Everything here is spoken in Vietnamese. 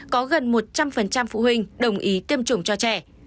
có gần một trăm linh phụ huynh đồng ý tiêm chủng cho trẻ